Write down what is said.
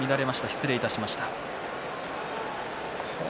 失礼いたしました。